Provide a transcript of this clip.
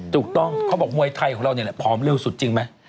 ถูกต้องเขาบอกว่ามวยไทยของเราพร้อมเร็วสุดจริงไหม